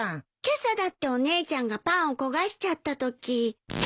今朝だってお姉ちゃんがパンを焦がしちゃったとき。